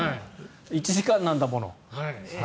１時間なんだもの。